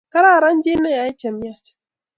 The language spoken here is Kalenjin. Kararan jii neyae chemyach